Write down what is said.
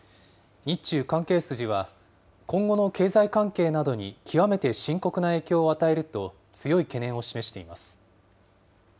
日中関係筋は、今後の経済関係などに極めて深刻な影響を与えると強い懸念を示しています。